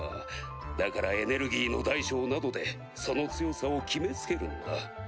だからエネルギーの大小などでその強さを決め付けるのだ。